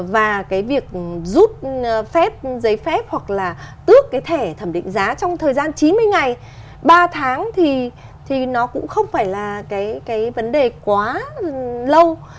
và cái việc rút phép giấy phép hoặc là tước cái thẻ thẩm định giá trong thời gian chín mươi ngày ba tháng thì nó cũng không phải là cái vấn đề quá lâu